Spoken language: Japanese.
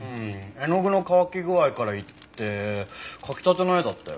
絵の具の乾き具合からいって描きたての絵だったよ。